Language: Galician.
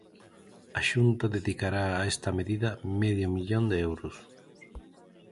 A Xunta dedicará a esta medida medio millón de euros.